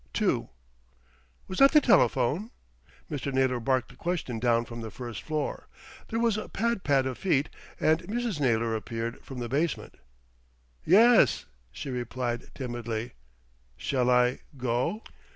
II "Was that the telephone?" Mr. Naylor barked the question down from the first floor. There was a pad pad of feet, and Mrs. Naylor appeared from the basement. "Yes," she replied timidly. "Shall I go?"